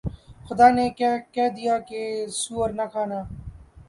خدا نے کہہ دیا کہ سؤر نہ کھانا